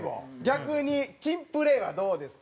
逆に珍プレーはどうですか？